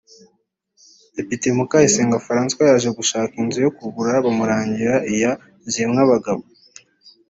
Depite Mukayisenga Françoise yaje gushaka inzu yo kugura bamurangira iya Zirimwabagabo